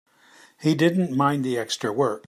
He didn't mind the extra work.